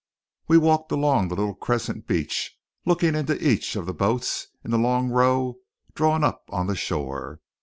We walked along the little crescent of beach, looking into each of the boats in the long row drawn up on the shore.